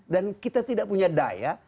dan kita tidak punya daya